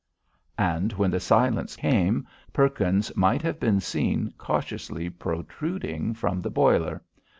And when the silence came, Perkins might have been seen cautiously protruding from the boiler.